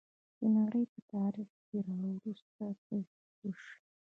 د نړۍ په تاریخ کې راوروسته پېښې وشوې.